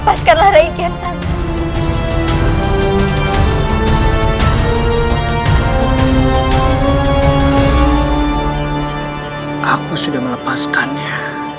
aku sudah melepaskannya